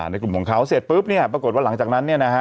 ในกลุ่มของเขาเสร็จปุ๊บเนี่ยปรากฏว่าหลังจากนั้นเนี่ยนะฮะ